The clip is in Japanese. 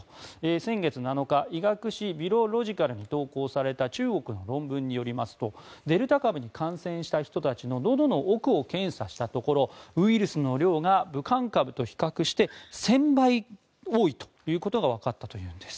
先月７日、医学誌「ヴィロロジカル」に投稿された中国の論文によりますとデルタ株に感染した人たちののどの奥を検査したところウイルスの量が武漢株と比較して１０００倍多いということがわかったというんです。